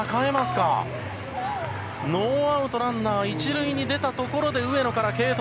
ノーアウトランナー１塁に出たところで上野から継投。